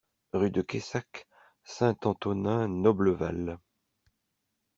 Rue de Cayssac, Saint-Antonin-Noble-Val